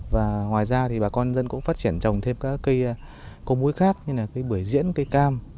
và ngoài ra thì bà con dân cũng phát triển trồng thêm các cây có mũi khác như là cây bưởi diễn cây cam